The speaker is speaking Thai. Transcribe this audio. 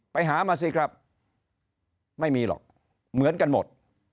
ไปหามาสิครับไม่มีหรอกเหมือนกันหมด